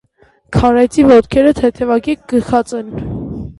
Քարայծի ոտքերը թեթևակի կքած են։